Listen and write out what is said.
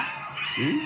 うん？